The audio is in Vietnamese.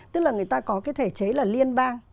tức là người ta có cái thể chế là liên bang